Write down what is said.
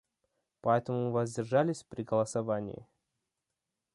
Поэтому мы воздержались при голосовании.